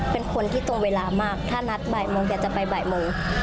เป็นคนที่ตรงเวลามากถ้านัดบ่ายโมงแกจะไปบ่ายโมง